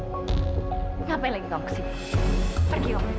kenapa lagi kau ke sini pergi om pergi